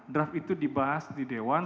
draft itu dibahas di dewan